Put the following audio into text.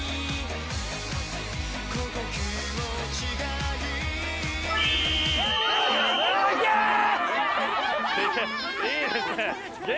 いいですね！